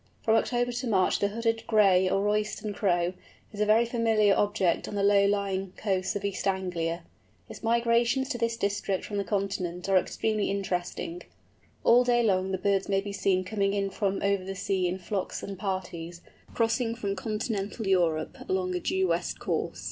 From October to March the Hooded, Gray, or Royston Crow, is a very familiar object on the low lying coasts of East Anglia. Its migrations to this district from the Continent are extremely interesting. All day long the birds may be seen coming in from over the sea in flocks and parties, crossing from continental Europe along a due west course.